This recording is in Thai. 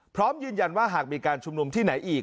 พร้อมยืนยันว่าหากมีการชุมนุมที่ไหนอีก